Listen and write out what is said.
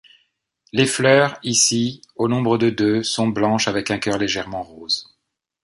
Les fleurs, ici, au nombre de deux, sont blanches avec un cœur légèrement rose.